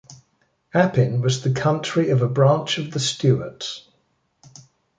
Appin was the country of a branch of the Stewarts.